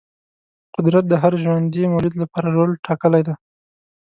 قدرت د هر ژوندې موجود لپاره خپل رول ټاکلی دی.